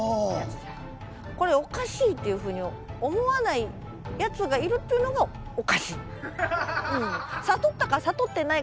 これおかしいっていうふうに思わないやつがいるっていうのがおかしい。